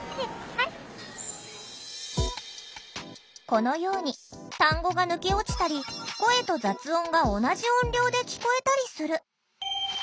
このように単語が抜け落ちたり声と雑音が同じ音量で聞こえたりする。